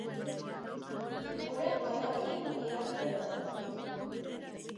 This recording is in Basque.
Denborak badaki bihartzen atzotik.